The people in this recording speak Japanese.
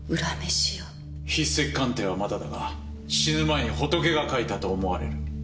筆跡鑑定はまだだが死ぬ前にホトケが書いたと思われる。